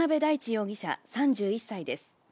容疑者、３１歳です。